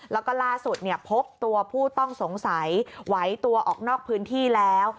แล้วก็ล่าสุดพบตัวผู้ต้องสงสัยไหวตัวออกนอกพื้นที่แล้ว